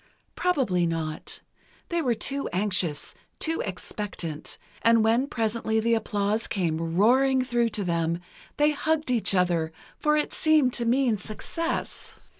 Probably not—they were too anxious, too expectant, and when presently the applause came roaring through to them, they hugged each other, for it seemed to mean success.